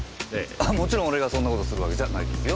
もちろん俺がそんな事するわけじゃないですよ。